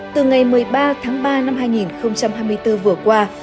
từ ngày một mươi ba tháng ba năm hai nghìn hai mươi bốn vừa qua